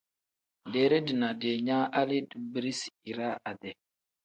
Deere dina diinyaa hali dibirisi iraa ade.